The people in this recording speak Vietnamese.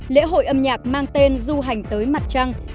lễ hội âm nhạc mang tên du hành tới mặt trăng